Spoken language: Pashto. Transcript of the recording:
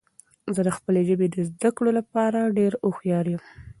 زه د خپلې ژبې د زده کړو لپاره ډیر هوښیار یم.